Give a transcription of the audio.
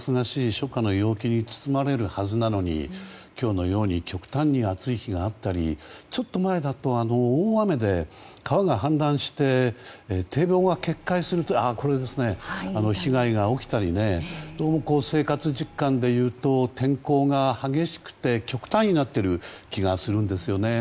初夏の陽気に包まれるはずなのに今日のように極端に暑い日があったりちょっと前だと大雨で川が氾濫して堤防が決壊するという被害が起きたりどうも生活実感でいうと天候が激しくて極端になってる気がするんですよね。